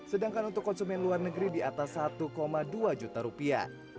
sedangkan untuk konsumen luar negeri di atas satu dua juta rupiah